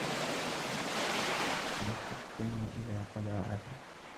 مِنْ حَقٍّ ، وَإِذَا قَدَرَ عَفَا